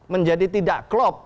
menjadi tidak klop